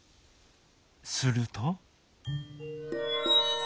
すると。